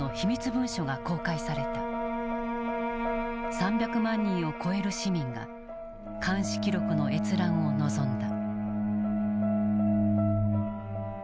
３００万人を超える市民が監視記録の閲覧を望んだ。